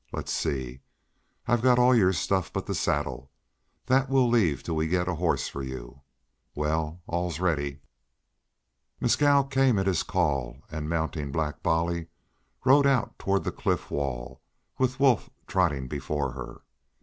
Let's see, I've got all your stuff but the saddle; that we'll leave till we get a horse for you. Well, all's ready." Mescal came at his call and, mounting Black Bolly, rode out toward the cliff wall, with Wolf trotting before her.